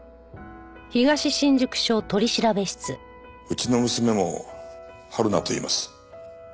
うちの娘も春菜といいます。